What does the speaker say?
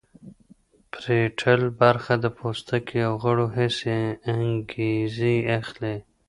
پریټل برخه د پوستکي او غړو حسي انګیزې اخلي